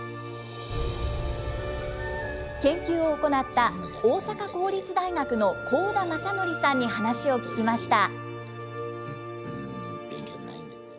研究を行った、大阪公立大学の幸田正典さんに話を聞きました。